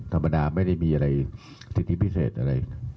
ธรรมดาไม่ได้มีอะไรสิทธิพิเศษอะไร